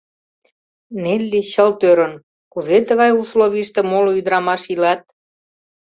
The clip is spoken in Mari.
Нелли чылт ӧрын, кузе тыгай условийыште моло ӱдрамаш илат?